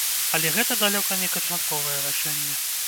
Але гэта далёка не канчатковае рашэнне.